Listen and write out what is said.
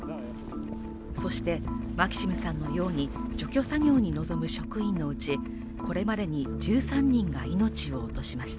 そしてマキシムさんのように除去作業に臨む職員のうち、これまでに１３人が命を落としました